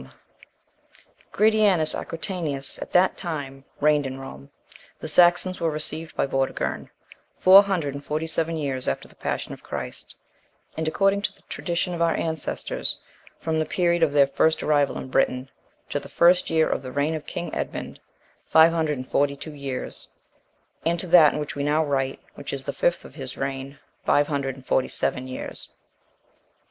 (2) Gratianus Aequantius at that time reigned in Rome. The Saxons were received by Vortigern, four hundred and forty seven years after the passion of Christ, and,(3) according to the tradition of our ancestors, from the period of their first arrival in Britain, to the first year of the reign of king Edmund, five hundred and forty two years; and to that in which we now write, which is the fifth of his reign, five hundred and forty seven years.